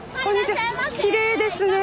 きれいですね。